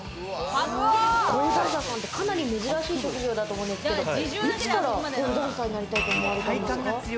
ポールダンサーさんってかなり珍しい職業だと思うんですけど、いつからポールダンサーになりたいと思われたんですか？